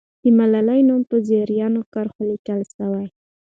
د ملالۍ نوم په زرینو کرښو لیکل سوی.